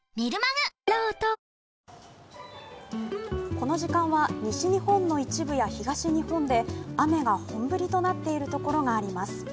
この時間は西日本の一部や東日本で雨が本降りとなっているところがあります。